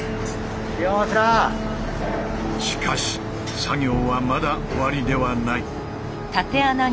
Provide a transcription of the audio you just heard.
しかし作業はまだ終わりではない。